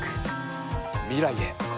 未来へ。